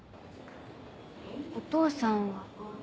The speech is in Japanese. お父さんは？